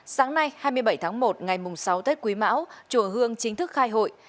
sáng nay hai mươi bảy tháng một ngày sáu tết quý mão chùa hương chính thức khai hội